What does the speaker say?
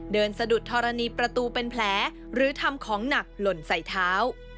สะดุดธรณีประตูเป็นแผลหรือทำของหนักหล่นใส่เท้า